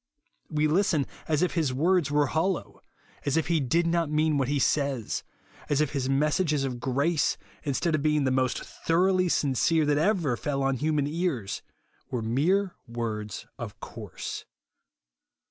We listen, as if his words were hollow ; as if he did not mean what he says ; as if his mes sages of grace, instead of being the most thoroughly sincere that ever fell on humun ears, were mere words of course.